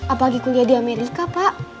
apalagi kuliah di amerika pak